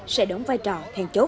sẽ đóng vai trò hàng chốt